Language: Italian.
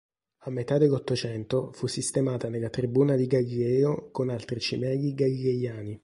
A metà dell'Ottocento fu sistemata nella Tribuna di Galileo con altri cimeli galileiani.